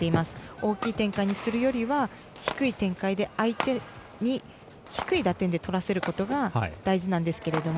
大きい展開にするよりは低い展開で相手に低い打点でとらせることが大事なんですけれども。